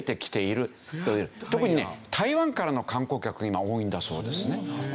特にね台湾からの観光客が今多いんだそうですね。